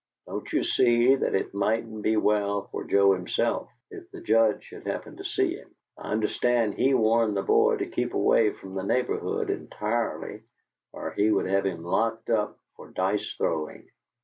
Don't you see that it mightn't be well for Joe himself, if the Judge should happen to see him? I understand he warned the boy to keep away from the neighborhood entirely or he would have him locked up for dice throwing.